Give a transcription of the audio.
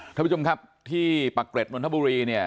ท่านผู้ชมครับที่ปักเกร็ดนนทบุรีเนี่ย